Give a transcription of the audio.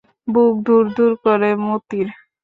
বুক দুরু দুরু করে মতির।